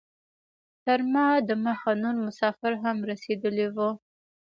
تر ما دمخه نور مسافر هم رسیدلي وو.